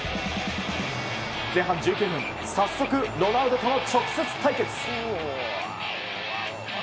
前半１９分早速ロナウドとの直接対決。